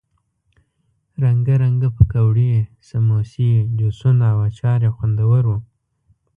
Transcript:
رنګه رنګه پکوړې، سموسې، جوسونه او اچار یې خوندور وو.